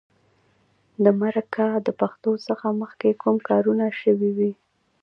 د مرکه د پښتو څخه مخکې کوم کارونه شوي وي.